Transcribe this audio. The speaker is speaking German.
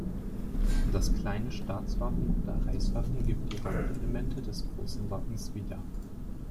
Das kleine Staatswappen oder Reichswappen gibt die Hauptelemente des großen Wappens wieder.